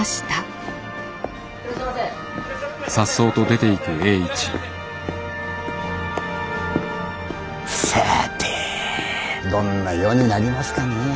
さぁてどんな世になりますかねぇ。